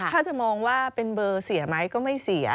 ถ้าจะมองว่าเป็นเบอร์เสียไหมก็ไม่เสีย